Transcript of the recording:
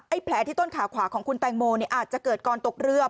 แผลที่ต้นขาขวาของคุณแตงโมเนี่ยอาจจะเกิดก่อนตกเรือ